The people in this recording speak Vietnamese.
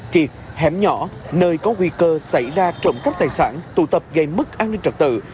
khi hẻm nhỏ nơi có nguy cơ xảy ra trộm cắp tài sản tụ tập gây mức an ninh trật tự